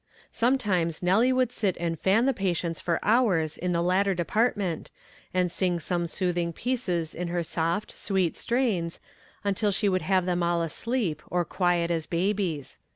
Sometimes Nellie would sit and fan the patients for hours in the latter department, and sing some soothing pieces in her soft, sweet strains, until she would have them all asleep, or quiet as babies.